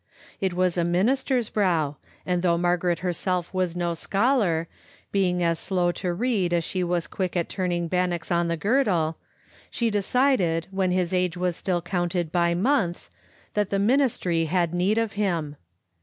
It was a minister's brow, and though Margaret herself was no scholar, being as slow to read as she was quick at turn ing bannocks on the girdle, she decided, when his age was still counted by months, that the ministry had need of him.